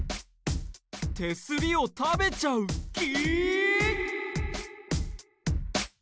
手すりを食べちゃう木？